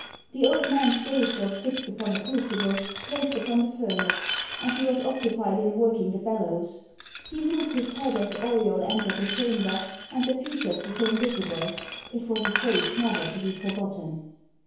The old man's gaze was fixed upon a crucible placed upon the furnace, and he was occupied in working the bellows. He moved his head as Auriol entered the chamber, and the features became visible. It was a face never to be forgotten.